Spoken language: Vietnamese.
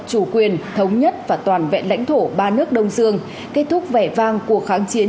chủ quyền thống nhất và toàn vẹn lãnh thổ ba nước đông dương kết thúc vẻ vang của kháng chiến